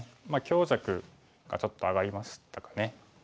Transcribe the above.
強弱がちょっと上がりましたかね。